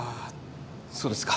そうですか。